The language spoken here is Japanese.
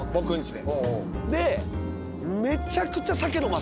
で。